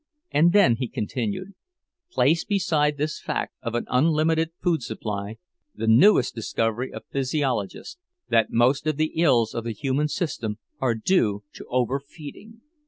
"And then," he continued, "place beside this fact of an unlimited food supply, the newest discovery of physiologists, that most of the ills of the human system are due to overfeeding!